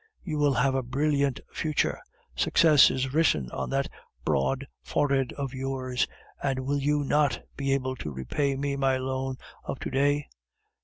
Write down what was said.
You will have a brilliant future. Success is written on that broad forehead of yours, and will you not be able to repay me my loan of to day?